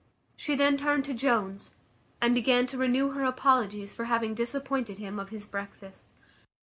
She then turned to Jones, and began to renew her apologies for having disappointed him of his breakfast.